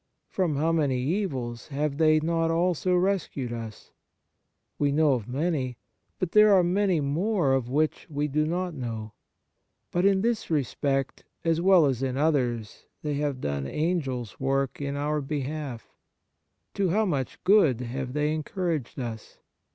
From how many evils have they not also rescued us ? We know of many, but there are many more of which we do not know. But in this respect, as well as in others, they have done Angels' work in our behalf. To how much good have they encouraged us